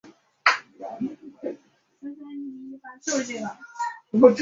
第十三届